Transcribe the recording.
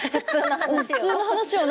普通の話を？